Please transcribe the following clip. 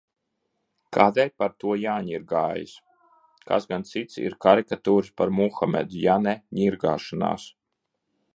Kādēļ par to jāņirgājas? Kas gan cits ir karikatūras par Muhamedu, ja ne ņirgāšanās?